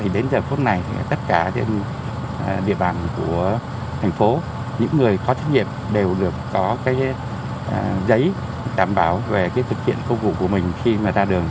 đến giờ phút này tất cả trên địa bàn của thành phố những người có trách nhiệm đều được có giấy đảm bảo về thực hiện công vụ của mình khi ra đường